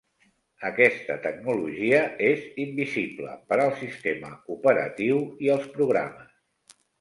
Aquesta tecnologia és invisible per al sistema operatiu i els programes.